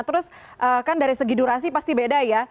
terus kan dari segi durasi pasti beda ya